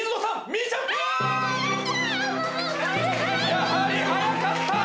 やはり速かった。